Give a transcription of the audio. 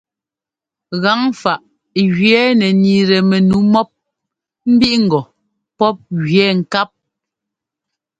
Gaŋfaꞌ gẅɛɛ nɛ niitɛ mɛnu mɔ́p mbiꞌŋgɔ pɔ́p gẅɛɛ ŋkáp.